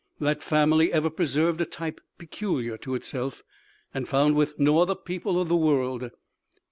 That family ever preserved a type peculiar to itself, and found with no other people of the world.